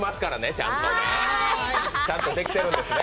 ちゃんとできてるんですね。